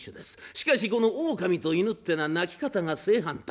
しかしこの狼と犬ってえのは鳴き方が正反対。